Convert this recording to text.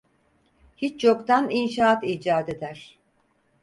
Hiç yoktan inşaat icat eder.